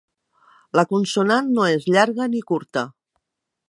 La consonant no és llarga ni curta.